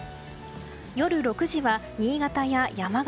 夜６時は新潟や山形